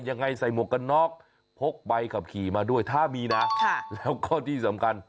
ยังไงใส่หมวกกันน็อกพกใบขับขี่มาด้วยถ้ามีนะแล้วก็ที่สำคัญ